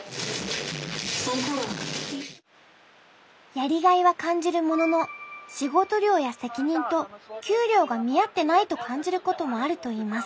やりがいは感じるものの仕事量や責任と給料が見合ってないと感じることもあると言います。